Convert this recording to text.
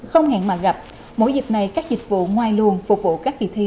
không ngại mà gặp mỗi dịp này các dịch vụ ngoài luồng phục vụ các kỳ thi